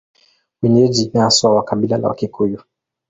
Wenyeji ni haswa wa kabila la Wakikuyu.